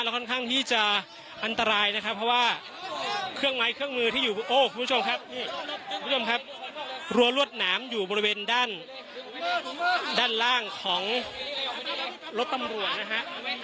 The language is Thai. ค่อนข้างที่จะอันตรายนะครับเพราะว่าเครื่องไม้เครื่องมือที่อยู่โอ้คุณผู้ชมครับคุณผู้ชมครับรัวรวดหนามอยู่บริเวณด้านด้านล่างของรถตำรวจนะฮะ